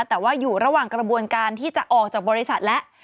แต่ว่าอยู่ระหว่างกระบวนการที่จะออกจากบริษัทแล้ว